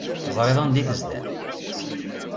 Teẓriḍ anda ay tezdeɣ?